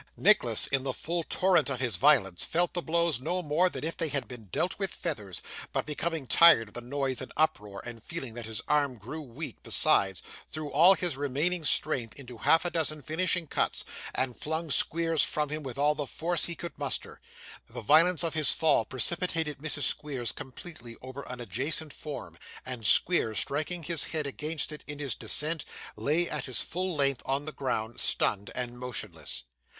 Nicholas, in the full torrent of his violence, felt the blows no more than if they had been dealt with feathers; but, becoming tired of the noise and uproar, and feeling that his arm grew weak besides, he threw all his remaining strength into half a dozen finishing cuts, and flung Squeers from him with all the force he could muster. The violence of his fall precipitated Mrs. Squeers completely over an adjacent form; and Squeers striking his head against it in his descent, lay at his full length on the ground, stunned and motionless.